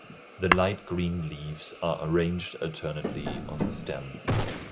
The light green leaves are arranged alternately on the stem.